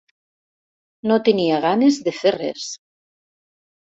No tenia ganes de fer res.